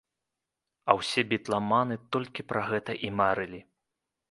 А ўсе бітламаны толькі пра гэта і марылі.